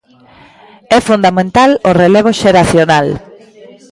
É fundamental o relevo xeracional.